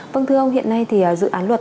vâng thưa ông hiện nay dự án luật